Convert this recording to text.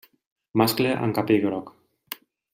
Mascle amb capell groc.